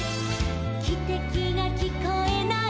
「きてきがきこえない」